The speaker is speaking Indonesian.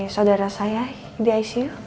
saudara saya di icu